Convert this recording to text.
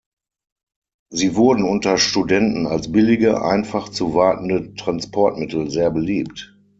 Sie wurden unter Studenten als billige, einfach zu wartende Transportmittel sehr beliebt.